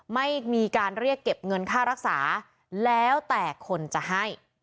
ไม่มีการเรียกเก็บเงินค่ารักษาแล้วแต่คนจะให้